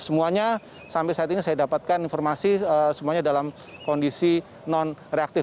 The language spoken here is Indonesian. semuanya sampai saat ini saya dapatkan informasi semuanya dalam kondisi non reaktif